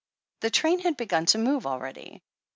The train had begun to move already.